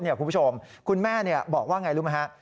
คุณผู้ชมคุณแม่บอกว่าอย่างไรรู้ไหมครับ